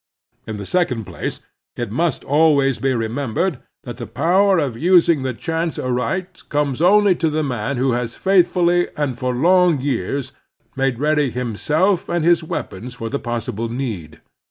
In the second place, it must always be remembered that the power of using the chance aright comes only to the man who has f aithftdly and for long years made ready him self and his weapons for the possible need.